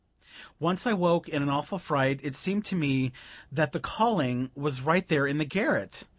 Once I woke in an awful fright it seemed to me that the calling was right there in the garret!